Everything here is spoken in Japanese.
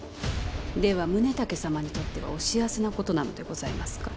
では宗武様にとってはお幸せなことなのでございますか？